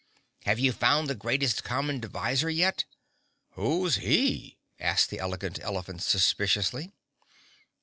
"Have you found the Greatest Common Divisor yet?" "Who's he?" asked the Elegant Elephant suspiciously.